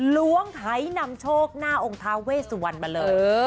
ล้วงไถนำโชคหน้าองค์ท้าเวสวรรณมาเลย